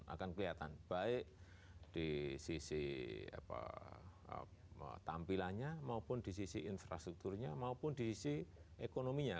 akan kelihatan baik di sisi tampilannya maupun di sisi infrastrukturnya maupun di sisi ekonominya